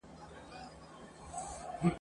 د ځنګله پاچا ته نوې دا ناره وه !.